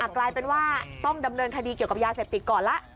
กลายเป็นว่าต้องดำเนินคดีเกี่ยวกับยาเสพติดก่อนละ